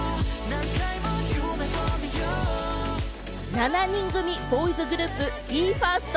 ７人組ボーイズグループ・ＢＥ：ＦＩＲＳＴ。